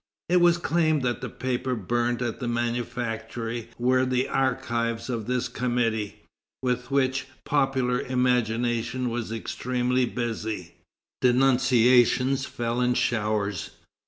It was claimed that the papers burned at the manufactory were the archives of this committee, with which popular imagination was extremely busy. Denunciations fell in showers.